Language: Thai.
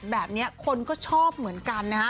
แบบนี้คนก็ชอบเหมือนกันนะฮะ